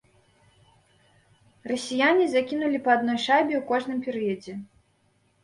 Расіяне закінулі па адной шайбе ў кожным перыядзе.